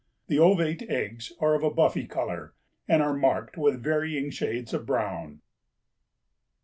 The ovate eggs are of a buffy color and are marked with varying shades of brown.